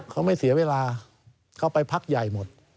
เขาไม่เสียเวลาเขาไปพักใหญ่หมด